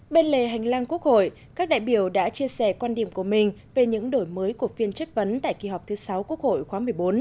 bên lề hành lang quốc hội các đại biểu đã chia sẻ quan điểm của mình về những đổi mới của phiên chất vấn tại kỳ họp thứ sáu quốc hội khóa một mươi bốn